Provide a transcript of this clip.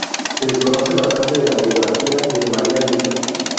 Se desconoce bastante de la biografía de María Luisa.